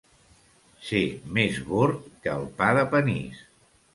Ser més bord que el pa de panís.